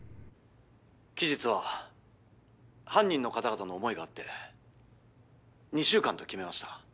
期日は犯人の方々の思いがあって２週間と決めました。